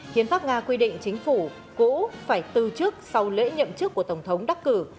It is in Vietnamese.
hiến pháp nga quy định chính phủ cũ phải từ chức sau lễ nhậm chức của tổng thống đắc cử